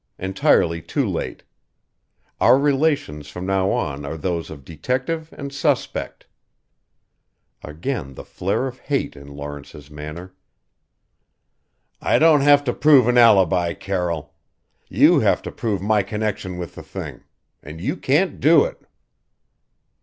Entirely too late. Our relations from now on are those of detective and suspect " Again the flare of hate in Lawrence's manner: "I don't have to prove an alibi, Carroll. You have to prove my connection with the thing. And you can't do it!"